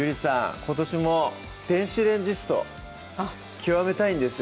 今年も電子レンジスト極めたいんですよ